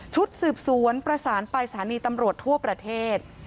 ชุดสืบสวนประสานไปสถานีตำรวจทั่วประเทศ